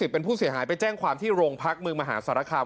เป็นผู้เสียหายไปแจ้งความที่โรงพักเมืองมหาสารคาม